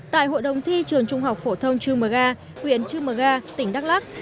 tại hội đồng thi trường trung học phổ thông trư mờ ga huyện trư mờ ga tỉnh đắk lắc